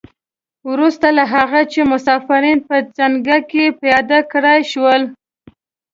وروسته له هغه چې مسافرین په ځنګله کې پیاده کړای شول.